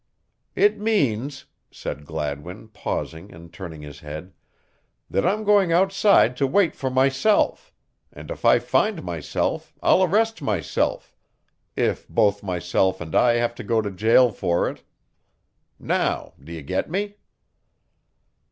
"It means," said Gladwin, pausing and turning his head, "that I'm going outside to wait for myself and if I find myself, I'll arrest myself if both myself and I have to go to jail for it. Now, do you get me?"